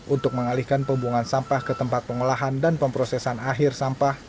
untuk mengalihkan pembuangan sampah ke tempat pengolahan dan pemprosesan akhir sampah